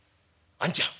「あんちゃん？」。